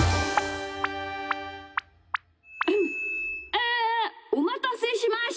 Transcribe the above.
えおまたせしました。